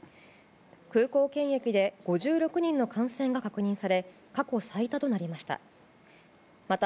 空港検疫で５６人の感染が確認され、過去最多となりました。